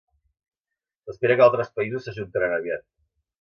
S'espera que altres països s'ajuntaran aviat.